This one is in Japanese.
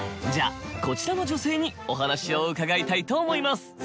じゃあこちらの女性にお話を伺いたいと思います。